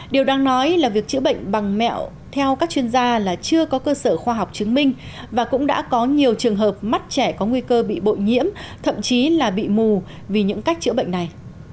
điều đang nói là việc chữa bệnh bằng mẹo theo các chuyên gia là chưa có cơ sở khoa học chứng minh và cũng đã có nhiều trường hợp mắt trẻ có nguy cơ bị bội nhiễm thậm chí là bị mù vì những cách chữa bệnh này